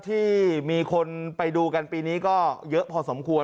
ที่มีคนไปดูกันปีนี้ก็เยอะพอสมควร